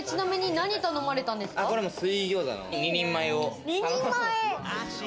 これ、水餃子の２人前を。